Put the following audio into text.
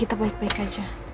kita baik baik aja